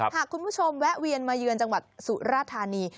หากคุณผู้ชมแวะเวียนมาเยือนจังหวัดสุราธานี